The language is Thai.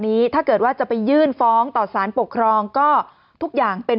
นี้ถ้าเกิดว่าจะไปยื่นฟ้องต่อสารปกครองก็ทุกอย่างเป็น